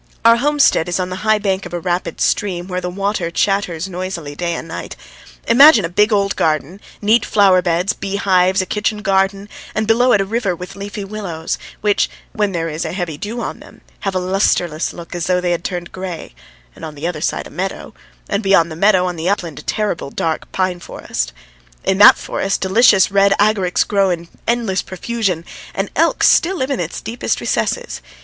Our homestead is on the high bank of a rapid stream, where the water chatters noisily day and night: imagine a big old garden, neat flower beds, beehives, a kitchen garden, and below it a river with leafy willows, which, when there is a heavy dew on them, have a lustreless look as though they had turned grey; and on the other side a meadow, and beyond the meadow on the upland a terrible, dark pine forest. In that forest delicious, reddish agarics grow in endless profusion, and elks still live in its deepest recesses.